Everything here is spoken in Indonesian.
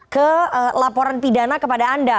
ke laporan pidana kepada anda